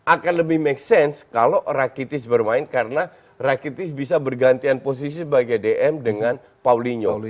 akan lebih make sense kalau rakitis bermain karena rakitis bisa bergantian posisi sebagai dm dengan paulinho